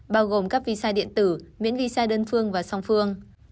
bao gồm các visa điện tử miễn visa đơn phương và song phương